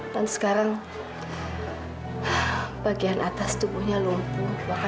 dan sekarang bagian atas tubuhnya lumpuh